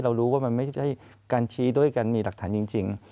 เรารู้ว่ามันไม่ใช่การชี้ด้วยการมีหลักฐานจริง